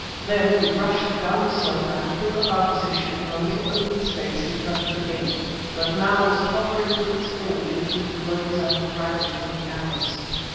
Then we rushed down the slope and took up our position in a little open space in front of the gate, that now was tottering to its fall beneath the blows and draggings of the Arabs.